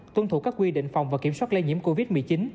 tuân thủ các quy định phòng và kiểm soát lây nhiễm covid một mươi chín